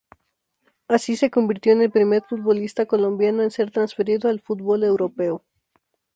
Así, se convirtió en el primer futbolista colombiano en ser transferido al fútbol europeo.